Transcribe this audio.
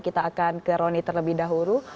kita akan ke roni terlebih dahulu